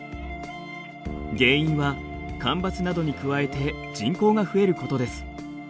原因は干ばつなどに加えて人口が増えることです。